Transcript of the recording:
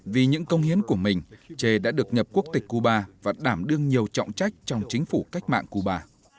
vì những công hiến của mình che đã được nhập quốc tịch cuba và đảm đương nhiều trọng trách trong chính phủ cách mạng cuba